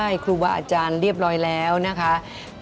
กรูผู้สืบสารล้านนารุ่นแรกแรกรุ่นเลยนะครับผม